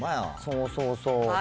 そうそうそう。